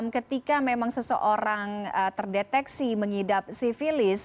ketika memang seseorang terdeteksi mengidap sivilis